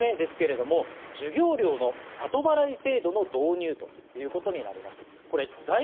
そして３つ目ですけれども、授業料の後払い制度の導入ということになります。